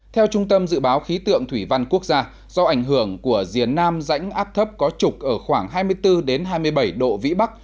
theo trung tâm dự báo khí tượng thủy văn quốc gia do ảnh hưởng của diền nam rãnh áp thấp có trục ở khoảng hai mươi bốn hai mươi bảy độ vĩ bắc